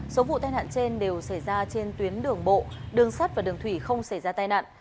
số vụ tai nạn trên đều xảy ra trên tuyến đường bộ đường sắt và đường thủy không xảy ra tai nạn